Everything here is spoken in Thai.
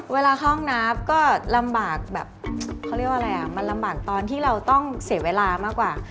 เวลาคล่องนับก็ลำบากมันลำบากตอนที่เราต้องเสียเวลามากกว่า